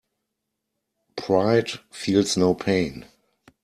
Pride feels no pain.